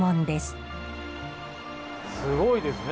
すごいですね！